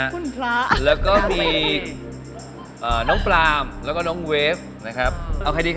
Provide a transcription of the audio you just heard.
คุณพระแล้วก็มีน้องปลามแล้วก็น้องเวฟนะครับเอาใครดีครับ